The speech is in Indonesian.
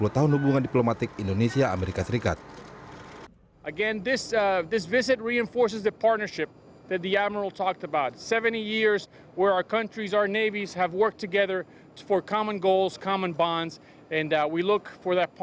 dua puluh tahun hubungan diplomatik indonesia amerika serikat